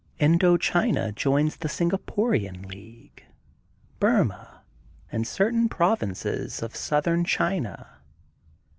Indo China joins the Singaporian league, Burmah, and certain provinces of Southern China.